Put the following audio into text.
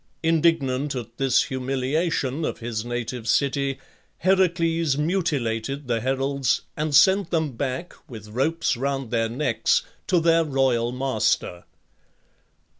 Indignant at this humiliation of his native city, Heracles mutilated the heralds, and sent them back, with ropes round their necks, to their royal master.